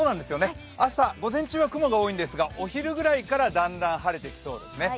朝、午前中は雲が多いんですが、お昼ぐらいからだんだん晴れてきそうです。